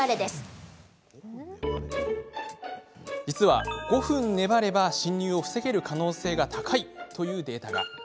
実は、５分粘れば侵入を防げる可能性が高いというデータが。